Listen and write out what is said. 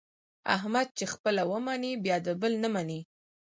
احمد چې خپله و مني بیا د بل نه مني.